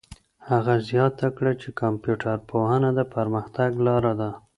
هغه زیاته کړه چي کمپيوټر پوهنه د پرمختګ لاره ده.